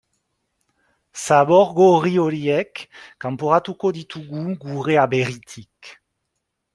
Zabor gorri horiek kanporatuko ditugu gure aberritik.